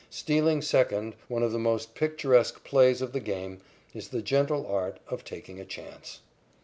Stealing second, one of the most picturesque plays of the game, is the gentle art of taking a chance.